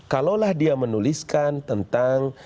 kalau lah dia menuliskan tentang